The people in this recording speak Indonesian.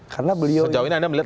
sejauh ini anda melihat